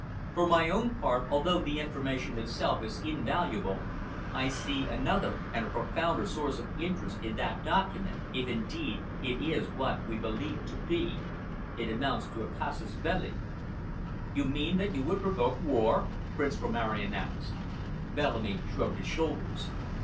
"For my own part, although the information itself is invaluable, I see another and a profounder source of interest in that document. If, indeed, it is what we believe it to be, it amounts to a casus belli." "You mean that you would provoke war?" Prince Rosmaran asked. Bellamy shrugged his shoulders.